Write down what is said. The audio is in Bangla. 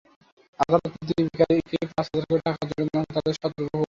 আদালত প্রতিটি বেকারিকে পাঁচ হাজার করে টাকা জরিমানা করে তাদের সতর্ক করে দেন।